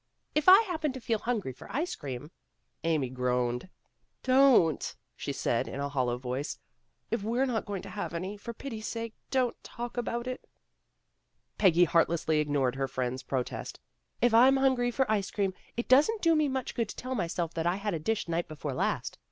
If I happen to feel hungry for ice cream.' " Amy groaned. "Don't!" she said in a hol low voice. "If we're not going to have any, for pity's sake don't talk about it." Peggy heartlessly ignored her friend's pro test. "If I'm hungry for ice cream, it doesn't do me much good to tell myself that I had a dish night before last.